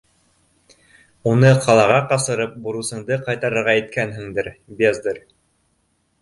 Уны ҡалаға ҡасырып, бурысыңды ҡайтарырға иткәнһеңдер, бездарь!